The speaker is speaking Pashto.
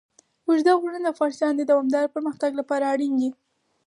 اوږده غرونه د افغانستان د دوامداره پرمختګ لپاره اړین دي.